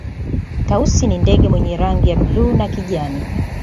tausi ni ndege mwenye rangi ya bluu na kijani